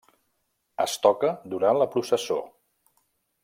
Es toca durant la processó.